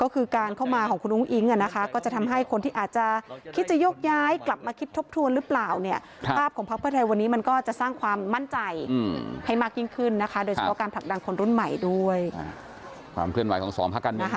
ความเคลื่อนไหวของสวงพรรณเมียงใหญ่นะครับ